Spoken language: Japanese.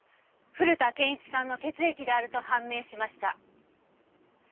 古田憲一さんの血液であると判明しました。